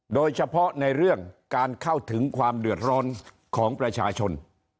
โดยเฉพาะในเรื่องการเข้าถึงความเดือดร้อนของประชาชน